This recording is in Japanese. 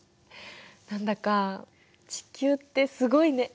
何だか地球ってすごいね。